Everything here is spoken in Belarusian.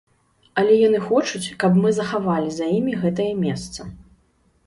Але яны хочуць, каб мы захавалі за імі гэтае месца.